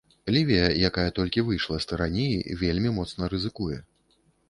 Лівія, якая толькі выйшла з тыраніі, вельмі моцна рызыкуе.